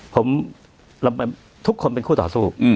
ผมทุกคนเป็นคู่ต่อสู้